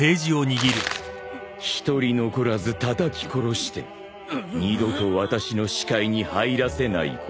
一人残らずたたき殺して二度と私の視界に入らせないこと。